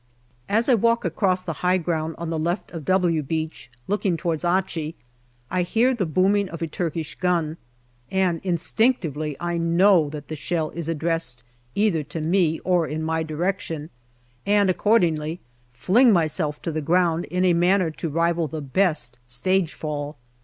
As I walk across the high ground on the left of " W " Beach looking towards Achi, I hear the booming of a Turkish gun, and instinctively I know that the shell is addressed either to me or in my direction, and accordingly fling myself to the ground in a manner to rival the best stage fall.